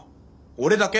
俺だけ！